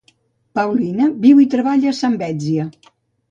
Paulina viu i treballa a Zambézia.